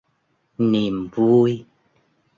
niềm vui